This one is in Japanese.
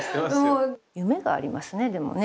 夢がありますねでもね